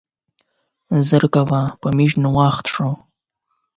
زر کوه, په مونګ ناوخته شو.